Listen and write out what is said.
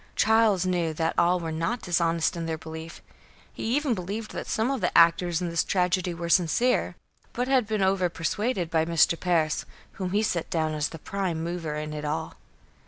Charles knew that all were not dishonest in their belief. He even believed that some of the actors in this tragedy were sincere, but had been over persuaded by Mr. Parris, whom he set down as the prime mover in it all.